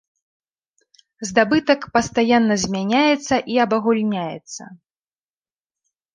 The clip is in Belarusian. Здабытак пастаянна змяняецца і абагульняецца.